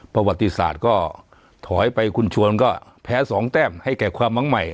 ประวัติศาสตร์ก็ถอยไปคุณชวนก็แพ้๒แต้มให้แก่ความมั้งใหม่